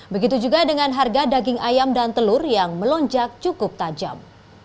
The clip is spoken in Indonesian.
begitu juga dengan harga daging ayam dan telur yang melonjak cukup tajam